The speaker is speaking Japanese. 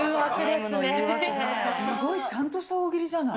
すごいちゃんとした大喜利じゃない。